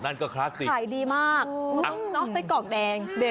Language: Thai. นั่นก็คลักสิขายดีมากไส้กรอกแดง